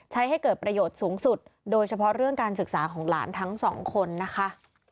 ให้เกิดประโยชน์สูงสุดโดยเฉพาะเรื่องการศึกษาของหลานทั้งสองคนนะคะ